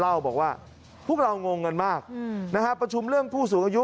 เล่าบอกว่าพวกเรางงกันมากนะฮะประชุมเรื่องผู้สูงอายุ